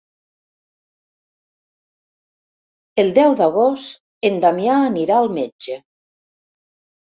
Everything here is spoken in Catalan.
El deu d'agost en Damià anirà al metge.